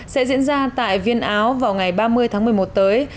sẽ diễn ra tại viên áo vào ngày ba mươi tháng một mươi một tới